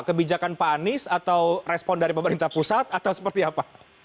kebijakan pak anies atau respon dari pemerintah pusat atau seperti apa